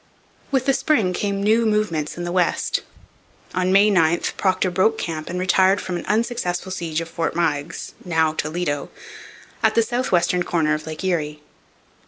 With the spring came new movements in the West. On May 9 Procter broke camp and retired from an unsuccessful siege of Fort Meigs (now Toledo) at the south western corner of Lake Erie.